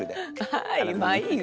はいまあいいわ。